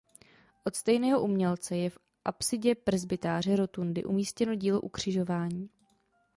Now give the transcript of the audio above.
Od stejného umělce je v apsidě presbytáře rotundy umístěno dílo "Ukřižování".